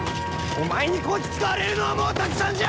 お前にこき使われるのはもうたくさんじゃ！